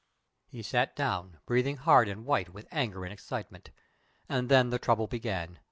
He sat down, breathing hard and white with anger and excitement, and then the trouble began.